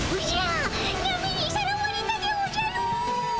波にさらわれたでおじゃる！